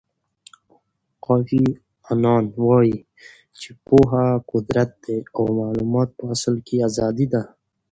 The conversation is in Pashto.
کوفی انان وایي چې پوهه قدرت دی او معلومات په اصل کې ازادي ده.